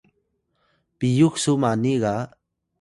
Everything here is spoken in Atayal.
piyux su mani ga